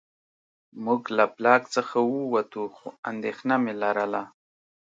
موږ له بلاک څخه ووتو خو اندېښنه مې لرله